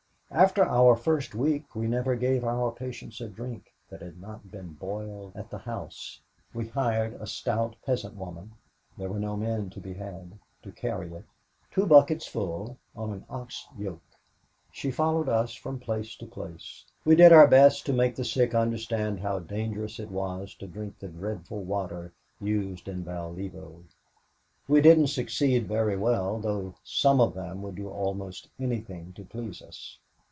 After our first week we never gave our patients a drink that had not been boiled at the house. We hired a stout peasant woman there were no men to be had to carry it two buckets full on an ox yoke! She followed us from place to place. We did our best to make the sick understand how dangerous it was to drink the dreadful water used in Valievo. We didn't succeed very well, though some of them would do almost anything to please us.